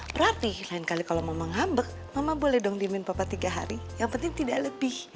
berarti lain kali kalau mau menghambak mama boleh dong diemin bapak tiga hari yang penting tidak lebih